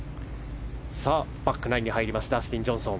バックナインに入ったダスティン・ジョンソン。